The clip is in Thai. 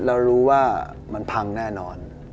เรารู้ว่ามันพังแน่นอน